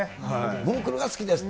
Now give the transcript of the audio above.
ももクロが好きですって。